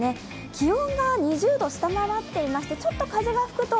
気温が２０度下回っていまして、ちょっと風が吹くと